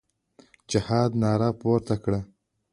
د جهاد ناره پورته کړه.